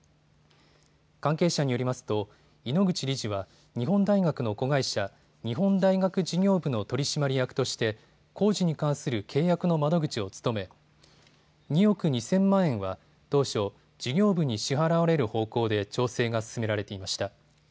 関係者によりますと井ノ口理事は日本大学の子会社、日本大学事業部の取締役として工事に関する契約の窓口を務め２億２０００万円は当初、事業部に支払われる方向で調整が進められていました。